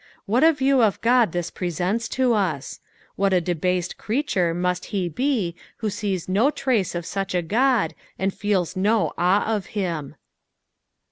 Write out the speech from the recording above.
What a view of God this presents to us \ What a debased creature must he be who sees no trace of such a Ood, and feels no awe of him